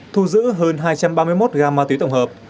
thu giữ hơn hai trăm ba mươi một gam ma túy tổng hợp